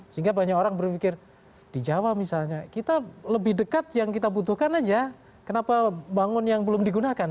sehingga banyak orang berpikir di jawa misalnya kita lebih dekat yang kita butuhkan aja kenapa bangun yang belum digunakan